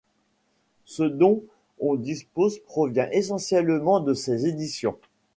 Ce dont on dispose provient essentiellement de ses éditions.